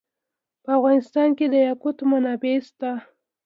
په افغانستان کې د یاقوت منابع شته.